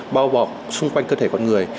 bao bọc xung quanh cơ thể con người